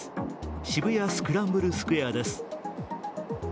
渋谷スクランブルスクエアです。